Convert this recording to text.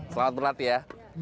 selamat berlatih ya